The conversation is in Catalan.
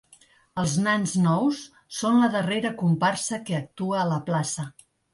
Els Nans Nous són la darrera comparsa que actua a la plaça.